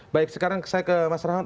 baik sekarang saya ke mas rahmat